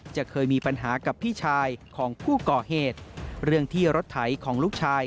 จะเคยมีปัญหากับพี่ชายของผู้ก่อเหตุเรื่องที่รถไถของลูกชาย